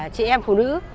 chị em phụ nữ